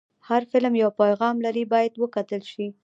هر فلم یو پیغام لري، باید وکتل شي.